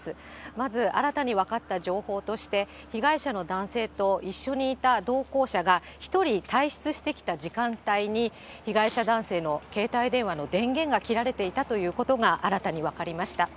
まず新たに分かった情報として、被害者の男性と一緒にいた同行者が１人退室してきた時間帯に、被害者男性の携帯電話の電源が切られていたということが新たに分かりました。